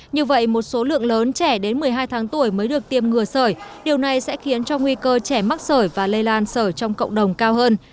như vậy một số lượng lớn trẻ đến một mươi hai tháng tuổi mới được tiêm ngừa sởi điều này sẽ khiến cho nguy cơ trẻ mắc sởi và lây lan sởi trong cộng đồng cao hơn